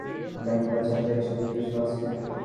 Bag বা ছাতা, এ-সব কিছু আছে?